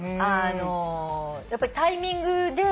やっぱりタイミングで。